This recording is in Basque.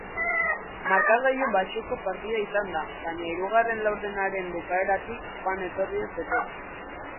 Markagailu baxuko partida izan da, baina hirugarren laurdenaren bukaeratik joan-etorriez bete da.